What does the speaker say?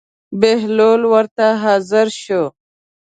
بهلول ورته حاضر شو.